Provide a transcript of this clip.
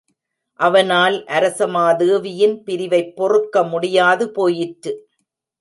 அவனால் அரசமாதேவியின் பிரிவைப் பொறுக்க முடியாது போயிற்று.